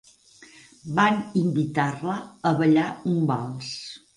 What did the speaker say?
Van invitar-la a ballar un vals.